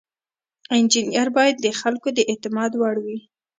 انجینر باید د خلکو د اعتماد وړ وي.